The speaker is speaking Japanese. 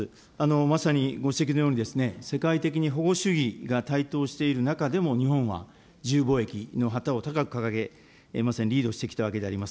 まさにご指摘のように、世界的に保護主義が台頭している中でも、日本は自由貿易の旗を高く掲げ、まさにリードしてきたわけでございます。